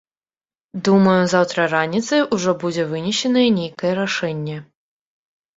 Думаю, заўтра раніцай ужо будзе вынесенае нейкае рашэнне.